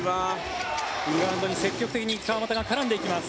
リバウンドに積極的に川真田が絡んでいきます。